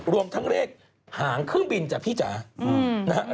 รวมทั้งเลขหางเครื่องบินจ้ะพี่จ๋านะฮะ